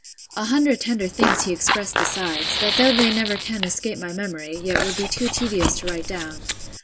A hundred tender things he expressed besides, that though they never can escape my memory, yet would be too tedious to write down.